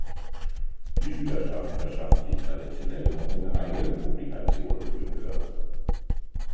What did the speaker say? Die Schülerschaft verschafft sich traditionell auch in eigenen Publikationen Gehör.